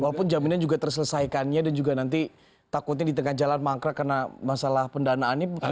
walaupun jaminan juga terselesaikannya dan juga nanti takutnya di tengah jalan mangkrak karena masalah pendanaannya